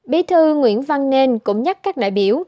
bí thư nguyễn văn nên cũng nhắc các đại biểu